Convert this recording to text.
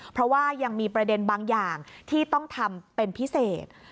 เพราะว่ายังมีประเด็นบางอย่างที่ต้องทำเป็นพิเศษ